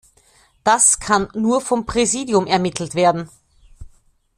Das kann nur vom Präsidium ermittelt werden!